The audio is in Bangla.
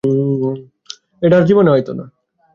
আর ফিরে এসো না।